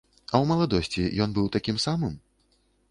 А ў маладосці ён быў такім самым?